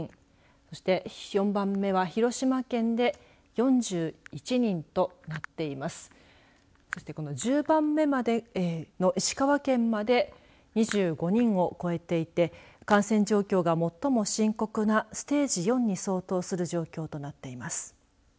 そして、この１０番目までの石川県まで２５人を超えていて感染状況が最も深刻なステージ４に相当する状況となっています。